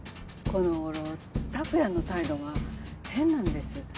この頃託也の態度が変なんです。